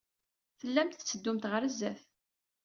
Tellamt tetteddumt ɣer sdat.